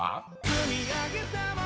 「積み上げたもの